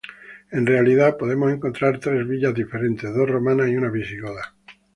En realidad, podemos encontrar tres villas diferentes, dos romanas y una visigoda.